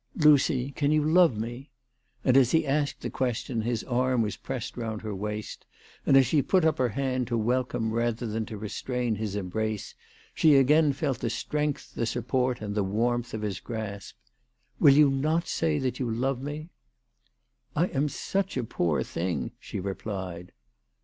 " Lucy, can you love me ?" And as lie asked the question his arm was pressed round her waist, and as she put up her hand to welcome rather than to restrain his embrace, she again felt the strength, the support, and the warmth of his grasp. " Will you not say that you love me ?"" I am such a poor thing," she replied.